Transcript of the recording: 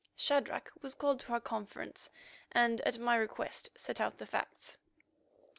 Shadrach was called to our conference, and at my request set out the facts.